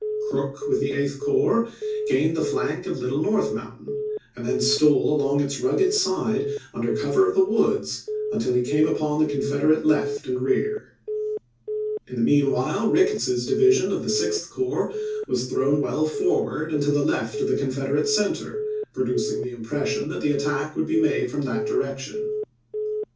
Crook, with the Eighth Corps, gained the flank of Little North Mountain, and then stole along its rugged side, under cover Sheridan, of the woods, until he came upon the Confederate Febfs,0i8k left and rear. In the mean while, Ricketts's division of the Sixth Corps was thrown well forward and to the left of the Confederate center, producing the impression that the attack would be made from that direction.